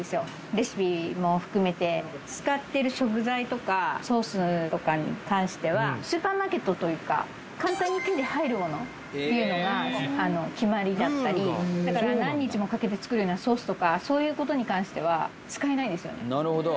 レシピも含めて使ってる食材とかソースとかに関してはスーパーマーケットというか簡単に手に入るものっていうのが決まりだったりだからそういうことに関しては使えないんですよね